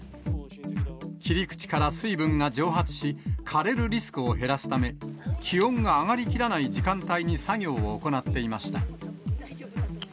切り口から水分が蒸発し、枯れるリスクを減らすため、気温が上がりきらない時間帯に作業を行っていました。